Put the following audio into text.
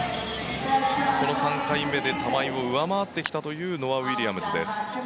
この３回目で玉井を上回ってきたノア・ウィリアムズです。